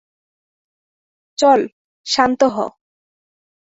চল, শান্ত হ!